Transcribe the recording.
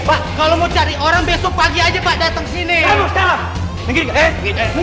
pak kalau mau cari orang besok pagi aja pak datang sini harusnya